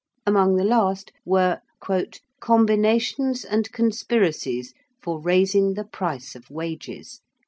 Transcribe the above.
Among the last were 'combinations and conspiracies for raising the price of wages.'